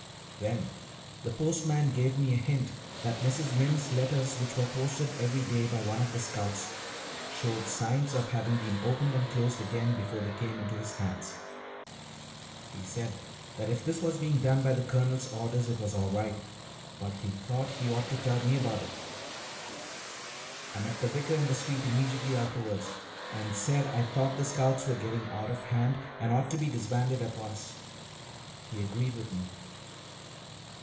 Then the postmaster gave me a hint that Mrs. Mimms's letters, which were posted every day by one of the Scouts, showed signs of having been opened and closed again before they came into his hands. He said that if this was being done by the Colonel's orders it was all right, but he thought he ought to tell me about it. I met the vicar in the street immediately afterwards and said I thought the Scouts were getting out of hand and ought to be disbanded at once. He agreed with me.